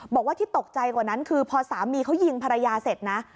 บอกว่าที่ตกใจกว่านั้นคือพอสามีเขายิงภรรยาเสร็จนะ